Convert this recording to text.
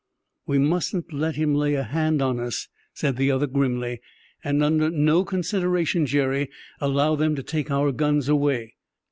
"We mustn't let him lay a hand on us," said the other grimly; "and under no consideration, Jerry, allow them to take our guns away.